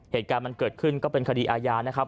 เหตุการณ์มันเกิดขึ้นก็เป็นคดีอาญานะครับ